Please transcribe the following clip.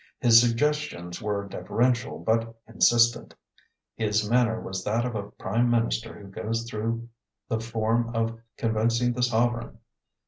His suggestions were deferential but insistent; his manner was that of a prime minister who goes through the form of convincing the sovereign.